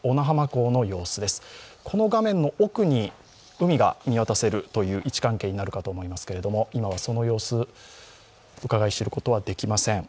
この画面の奥に海が見渡せるという位置関係になるかと思いますが今はその様子、うかがい知ることはできません。